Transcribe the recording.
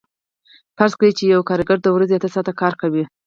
فرض کړئ چې یو کارګر د ورځې اته ساعته کار کوي